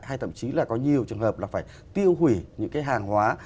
hay thậm chí là có nhiều trường hợp là phải tiêu hủy những cái hàng hóa